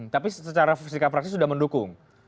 tapi secara fisika praksi sudah mendukung